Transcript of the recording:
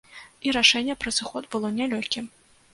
І рашэнне пра сыход было нялёгкім.